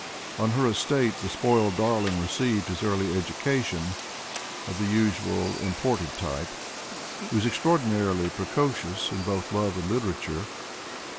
On her estate the spoiled darling received his early education, of the usual im ported type. He was extraordinarily precocious in both love and literature.